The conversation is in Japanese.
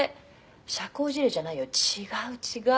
「社交辞令じゃないよ違う違う」